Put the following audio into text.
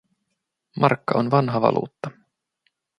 Markka on vanha valuutta.